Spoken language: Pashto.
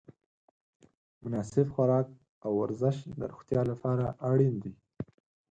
مناسب خوراک او ورزش د روغتیا لپاره اړین دي.